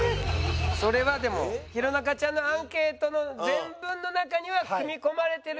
それはでも弘中ちゃんのアンケートの全文の中には組み込まれてるけど。